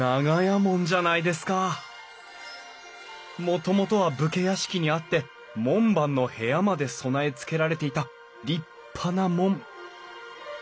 もともとは武家屋敷にあって門番の部屋まで備えつけられていた立派な門。